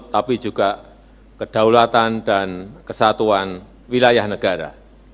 tapi juga kedaulatan dan kesatuan wilayah negara